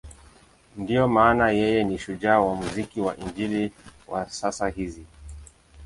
Ndiyo maana yeye ni shujaa wa muziki wa Injili wa sasa hizi.